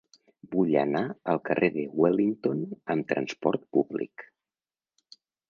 Vull anar al carrer de Wellington amb trasport públic.